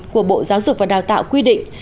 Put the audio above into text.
của bộ giáo dục và đào tạo quy định